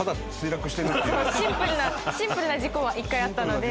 シンプルなシンプルな事故は一回あったのではい。